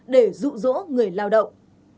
để rụ rỗ người lao động